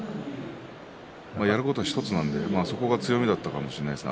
やることは１つなのでそこは強みだったかもしれないです。